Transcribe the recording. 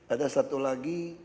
ada satu lagi